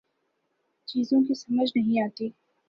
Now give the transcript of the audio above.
چیزوں کی سمجھ نہیں آتی